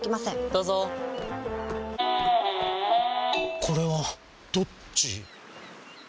どうぞこれはどっち？